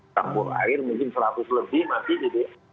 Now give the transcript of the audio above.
tambuh air mungkin seratus lebih mati gitu ya